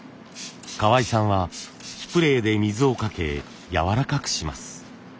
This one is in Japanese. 河合さんはスプレーで水をかけやわらかくします。